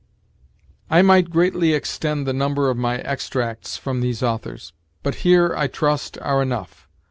"I might greatly extend the number of my extracts from these authors; but here, I trust, are enough.